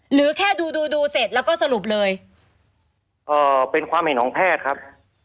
หรือแค่ดูดูเสร็จแล้วก็สรุปเลยเอ่อเป็นความเห็นของแพทย์ครับ